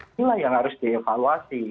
ini lah yang harus dievaluasi